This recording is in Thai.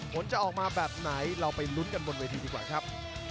ผลจะออกมาแบบไหนเราไปลุ้นกันบนเวทีดีกว่าครับ